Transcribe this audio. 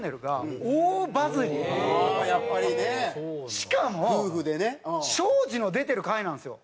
しかも庄司の出てる回なんですよ。